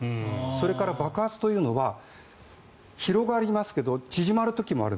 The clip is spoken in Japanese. それから爆発というのは広がりますけど縮まる時もある。